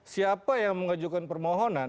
siapa yang mengajukan permohonan